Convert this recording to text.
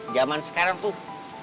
zaman sekarang tuh